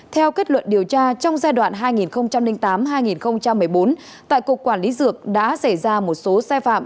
theo kết luận điều tra trong giai đoạn hai nghìn tám hai nghìn một mươi bốn tại cục quản lý dược đã xảy ra một số xe phạm